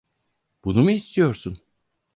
Bunu mu istiyorsun?